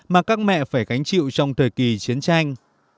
mà các mẹ phải gánh chịu trong thời kỳ chiến tranh